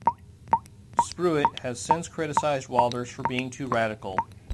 Spruyt has since criticized Wilders for being too radical.